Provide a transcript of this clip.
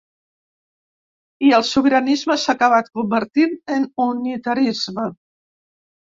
I el sobiranisme s’ha acabat convertint en unitarisme.